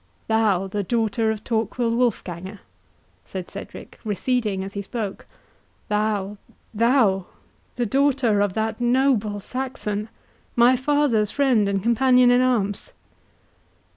"Thou the daughter of Torquil Wolfganger!" said Cedric, receding as he spoke; "thou—thou—the daughter of that noble Saxon, my father's friend and companion in arms!"